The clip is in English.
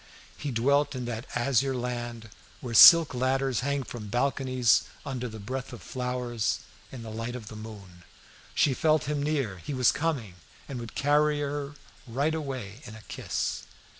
He dwelt in that azure land where silk ladders hang from balconies under the breath of flowers, in the light of the moon. She felt him near her; he was coming, and would carry her right away in a kiss.